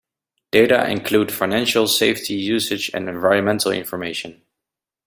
Data include financial, safety, usage, and environmental information.